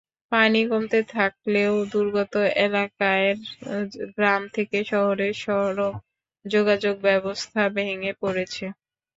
পানি কমতে থাকলেও দুর্গত এলাকার গ্রাম থেকে শহরের সড়ক যোগাযোগব্যবস্থা ভেঙে পড়েছে।